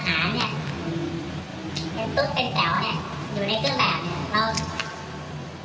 แล้วถ้าตำรวจอาหารเนี่ยสมมุติเป็นแป๋วอยู่ในดาบนี้คิดยังไงครับ